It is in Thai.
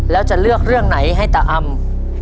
แล้วจะเลือกเรื่องไหนให้ตาอำ